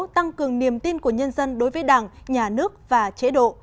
tăng cường niềm tin của nhân dân đối với đảng nhà nước và chế độ